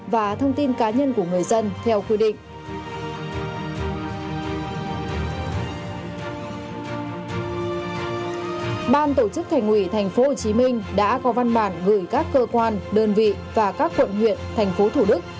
và các quận huyện thành phố thủ đức